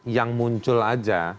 yang muncul aja